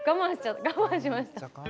我慢しました。